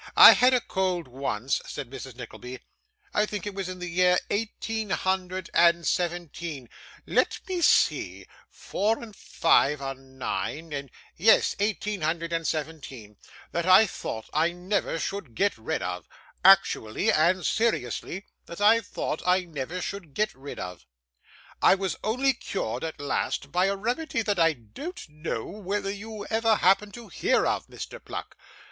I had a cold once,' said Mrs. Nickleby, 'I think it was in the year eighteen hundred and seventeen; let me see, four and five are nine, and yes, eighteen hundred and seventeen, that I thought I never should get rid of; actually and seriously, that I thought I never should get rid of. I was only cured at last by a remedy that I don't know whether you ever happened to hear of, Mr. Pluck.